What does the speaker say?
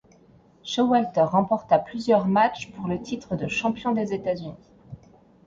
Showalter remporta plusieurs matchs pour le titre de champion des États-Unis.